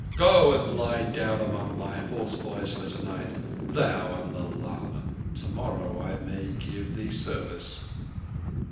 "Go and lie down among my horseboys for tonight—thou and the lama. Tomorrow I may give thee service."